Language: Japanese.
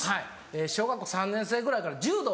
小学校３年生ぐらいから柔道